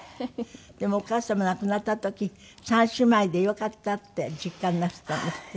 でもお母様亡くなった時３姉妹でよかったって実感なすったんですって？